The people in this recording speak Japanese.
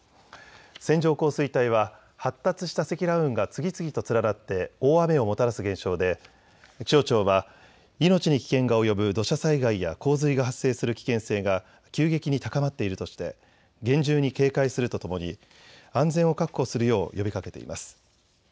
線状降水帯は発達した積乱雲が次々と連なって大雨をもたらす現象で気象庁は命に危険が及ぶ土砂災害や洪水が発生する危険性が急激に高まっているとして厳重に警戒するとともに安全を確保するよう呼びかけています。